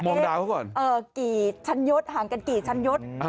มองดาวก็ก่อนเออห่างกันกี่ชั้นยศ